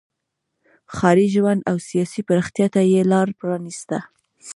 ښاري ژوند او سیاسي پراختیا ته یې لار پرانیسته.